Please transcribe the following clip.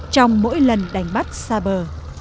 trong mỗi lần đánh bắt xa bờ